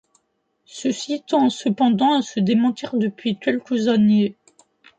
Ceci tend cependant à se démentir depuis quelques années.